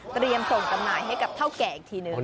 เตรียมส่งกำหน่ายให้กับเถ้าแก่อีกทีในที่นึง